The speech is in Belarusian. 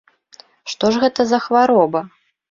Што ж гэта за хвароба?